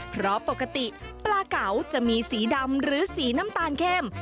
เพราะปกติปลาเก๋าจะมีสีดำหรือสีน้ำตาลเข้ม